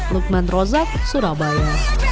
lukman rozak surabaya